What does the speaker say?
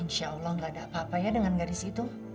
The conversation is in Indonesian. insya allah gak ada apa apa ya dengan garis itu